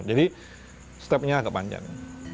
jadi stepnya agak panjang